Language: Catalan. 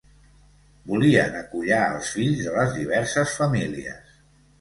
Volien acollar els fills de les diverses famílies.